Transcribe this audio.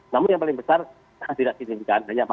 namun yang paling besar tidak diindikasikan hanya empat enam ya